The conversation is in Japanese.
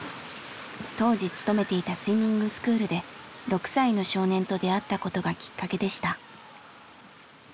当時勤めていたスイミングスクールで６歳の少年と出会ったことがきっかけでした。